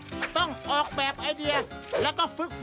มีมีน้องเคยดูมีหรือเปล่า